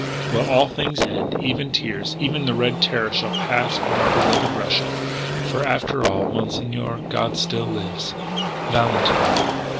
"Well, all things end. Even tears. Even the Red Terror shall pass from our beloved Russia. For, after all, Monsieur, God still lives. "VALENTINE."